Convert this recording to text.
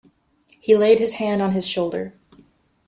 He laid his hand on his shoulder.